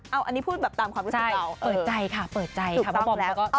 เอาอันนี้พูดแบบตามความรู้สึกเปล่าเออเปิดใจค่ะเปิดใจค่ะว่าบอมเขาก็ตั้งใจถูกต้องแล้ว